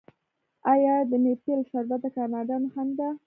آیا د میپل شربت د کاناډا نښه نه ده؟